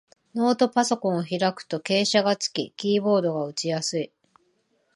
ノートパソコンを開くと傾斜がつき、キーボードが打ちやすい